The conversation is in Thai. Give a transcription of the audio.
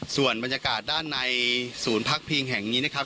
ส่วนบรรยากาศด้านในศูนย์พักพิงแห่งนี้นะครับ